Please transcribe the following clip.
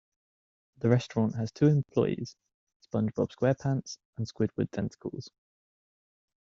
The restaurant has two employees: SpongeBob SquarePants and Squidward Tentacles.